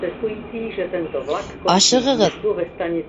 - Ашығығыҙ.